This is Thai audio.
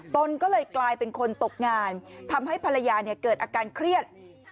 ตนก็เลยกลายเป็นคนตกงานทำให้ภรรยาเกิดอาการเครียด